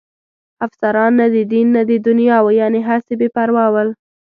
افسران نه د دین نه د دنیا وو، یعنې هسې بې پروا ول.